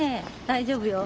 大丈夫よ。